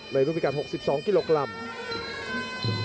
ในภูมิกัด๖๒กิโลกรัม